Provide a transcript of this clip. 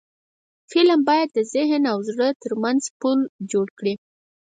فلم باید د ذهن او زړه ترمنځ پل جوړ کړي